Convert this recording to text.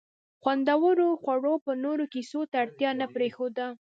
خوندورو خوړو به نورو کیسو ته اړتیا نه پرېښوده.